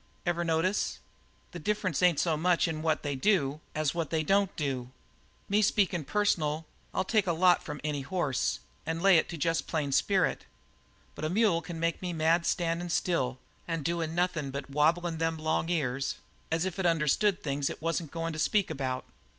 Ever notice? The difference ain't so much in what they do as what they don't do. Me speakin' personal, I'll take a lot from any hoss and lay it to jest plain spirit; but a mule can make me mad by standin' still and doin' nothing but wablin' them long ears as if it understood things it wasn't goin' to speak about.